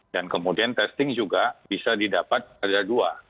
dan kemudian testing juga bisa didapat ada dua